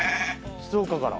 静岡から。